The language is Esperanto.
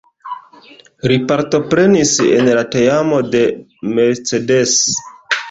Li partoprenis en la teamo de Mercedes.